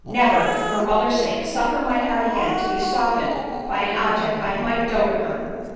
Never, for her mother's sake, suffer my heart again to be softened by an object I might dote upon.